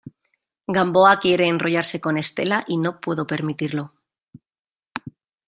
Gamboa quiere enrollarse con Estela y no puedo permitirlo.